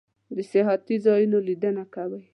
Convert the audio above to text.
د سیاحتی ځایونو لیدنه کوئ؟